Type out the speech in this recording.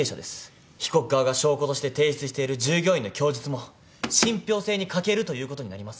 被告側が証拠として提出している従業員の供述も信ぴょう性に欠けるということになります。